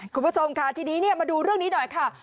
คุณผู้ชมค่ะทีนี้มาดูเรื่องนี้หน่อยค่ะ